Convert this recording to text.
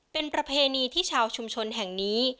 เป็นประเพณีที่ชาวชุมชนแห่งนี้